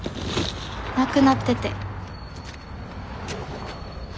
なくなってて。